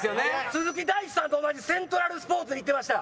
鈴木大地さんと同じセントラルスポーツに行ってました。